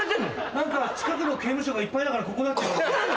何か近くの刑務所がいっぱいだからここだって。